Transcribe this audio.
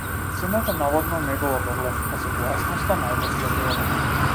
Цената наводно не била проблем, а согласноста најпосле била.